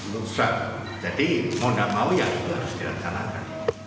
laksan jadi mau gak mau ya harus kira kira